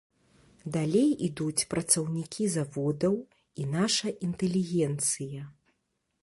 Далей ідуць працаўнікі заводаў і наша інтэлігенцыя.